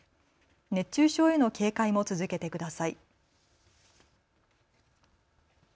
熱中症への警戒も続けてください。